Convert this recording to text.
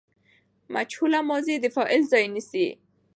مجهوله ماضي د فاعل ځای نیسي.